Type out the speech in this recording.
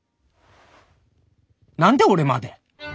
何で俺まで？